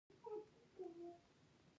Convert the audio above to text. کلتور د افغانستان د جغرافیوي تنوع مثال دی.